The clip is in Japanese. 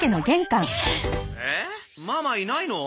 ママいないの？